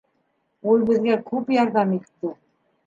Ул беҙгә күп ярҙам итте.